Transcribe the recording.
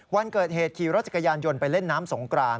วันเกิดเหตุขี่รถจักรยานยนต์ไปเล่นน้ำสงกราน